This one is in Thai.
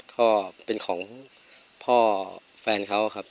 ก็เป็นของพ่อแฟนเขาครับ